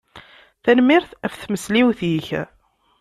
Tanemmirt ɣef tmesliwt-ik.